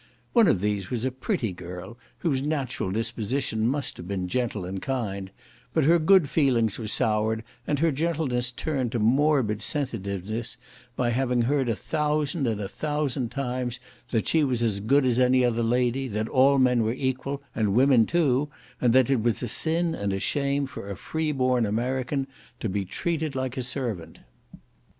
One of these was a pretty girl, whose natural disposition must have been gentle and kind; but her good feelings were soured, and her gentleness turned to morbid sensitiveness, by having heard a thousand and a thousand times that she was as good as any other lady, that all men were equal, and women too, and that it was a sin and a shame for a free born American to be treated like a servant.